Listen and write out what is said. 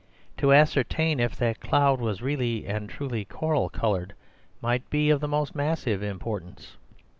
To ascertain if that cloud was really and truly coral coloured might be of the most massive importance."